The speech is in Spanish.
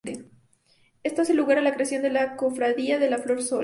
Esto hace lugar a la creación de La Cofradía de la Flor Solar.